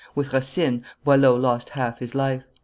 With Racine, Boileau lost half his life.